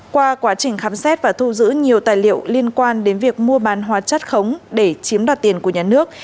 qua quá trình khám xét và thu giữ nhiều tài liệu liên quan đến việc mua bán hóa chất khống để chiếm đoạt tiền của nhà nước